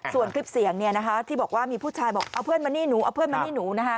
ส่วนคลิปเสียงที่บอกว่ามีผู้ชายบอกเอาเพื่อนมานี่หนูเอาเพื่อนมานี่หนูนะคะ